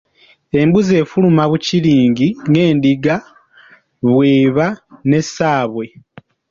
Embuzi efuluma bukiringi ng'endiga bw'eba ne ssaabwe.